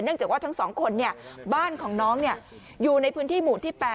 จากว่าทั้ง๒คนบ้านของน้องอยู่ในพื้นที่หมู่ที่๘